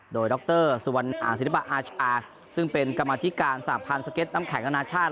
โดยดรสุวรรณศิลปะอาชาซึ่งเป็นกรรมธิการสหพันธ์สเก็ตน้ำแข็งอนาชาติ